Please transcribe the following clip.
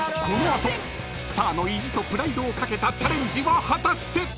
［スターの意地とプライドを懸けたチャレンジは果たして！？］